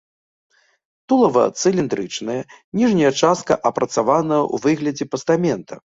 Тулава цыліндрычнае, ніжняя частка апрацавана ў выглядзе пастамента.